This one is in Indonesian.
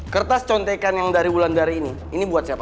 kertas contekan yang dari wulandari ini ini buat siapa